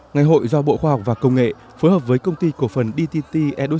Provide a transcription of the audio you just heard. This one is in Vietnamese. ngày hội do bộ khoa học và công nghệ phối hợp với công ty cổ phần dtt ed